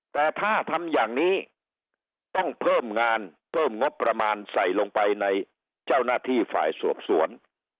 แต่ถ้าทำอย่างนี้ต้องเพิ่มงานเพิ่มงบประมาณใส่ลงไปในเจ้าหน้าที่ฝ่ายสอบสวน